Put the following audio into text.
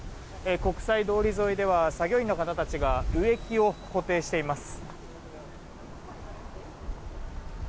国際通り沿いでは作業員の方たちが植木を固定しています。